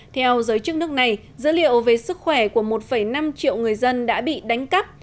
theo giới chức nước này dữ liệu về sức khỏe của một năm triệu người dân đã bị đánh cắp